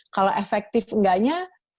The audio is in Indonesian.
kalau efektif enggaknya